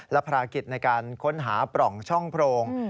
และภารกิจในการค้นหาปล่องช่องโพรง